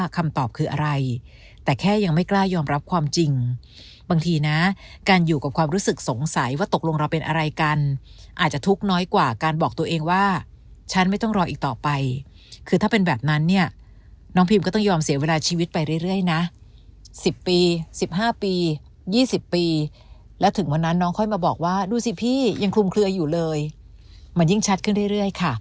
คำตอบคืออะไรแต่แค่ยังไม่กล้ายอมรับความจริงบางทีนะการอยู่กับความรู้สึกสงสัยว่าตกลงเราเป็นอะไรกันอาจจะทุกข์น้อยกว่าการบอกตัวเองว่าฉันไม่ต้องรออีกต่อไปคือถ้าเป็นแบบนั้นเนี่ยน้องพิมก็ต้องยอมเสียเวลาชีวิตไปเรื่อยนะ๑๐ปี๑๕ปี๒๐ปีแล้วถึงวันนั้นน้องค่อยมาบอกว่าดูสิพี่ยังคลุมเคลืออยู่เลยมันยิ่งชัดขึ้นเรื่อยค่ะ